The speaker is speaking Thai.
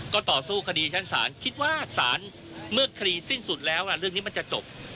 ก็ต่อสู้คดีชั้นศาลคิดว่าศาลเมื่อคดีสิ้นสุดแล้วเรื่องนี้มันจะจบ